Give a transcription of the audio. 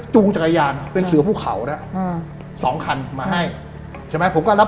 จักรยานเป็นเสือภูเขานะอืมสองคันมาให้ใช่ไหมผมก็รับ